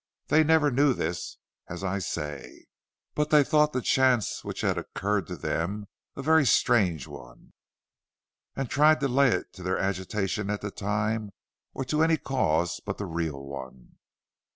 They never knew this, as I say, but they thought the chance which had occurred to them a very strange one, and tried to lay it to their agitation at the time, or to any cause but the real one.